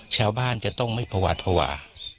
ชาวบ้านจะต้องไม่พวาดภวา